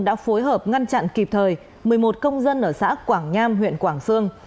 đã phối hợp ngăn chặn kịp thời một mươi một công dân ở xã quảng nham huyện quảng sương